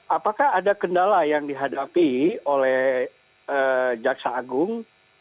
apakah ada kendala yang dihadapi oleh jaksagung